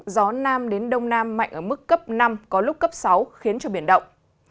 gió nam đến đông nam mạnh ở mức cấp năm có lúc cấp sáu khiến cho biển động